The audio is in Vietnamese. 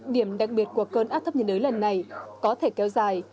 điểm đặc biệt của cơn áp thấp nhiệt đới lần này có thể kéo dài